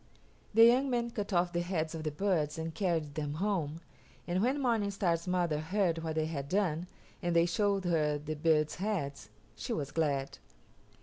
The young men cut off the heads of the birds and carried them home, and when Morning Star's mother heard what they had done, and they showed her the birds' heads, she was glad.